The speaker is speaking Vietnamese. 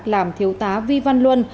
làm thiếu tá vi văn luân